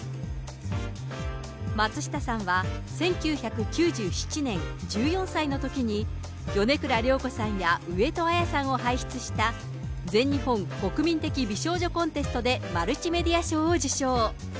松下さんは、１９９７年１４歳のときに、米倉涼子さんや上戸彩さんを輩出した全日本国民的美少女コンテストでマルチメディア賞を受賞。